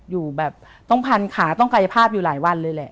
อยู่แบบต้องพันขาต้องกายภาพอยู่หลายวันเลยแหละ